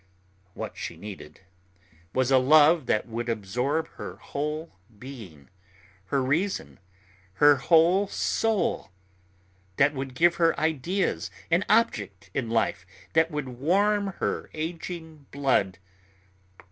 What she needed was a love that would absorb her whole being, her reason, her whole soul, that would give her ideas, an object in life, that would warm her aging blood.